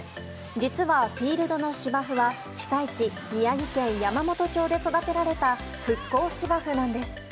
実は、フィールドの芝生は被災地・宮城県山元町で育てられた復興芝生なんです。